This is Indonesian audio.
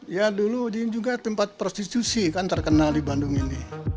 ya dulu juga tempat prostitusi kan terkenal di bandung ini